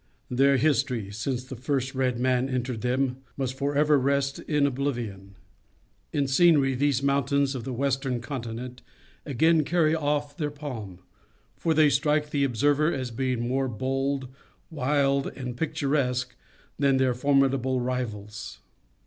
Their history, since the first red man entered them, must forever rest in oblivion. In scenery these mountains of the Western Continent again carry off the palm; for, they strike the observer as being more bold, wild and picturesque than their formidable rivals.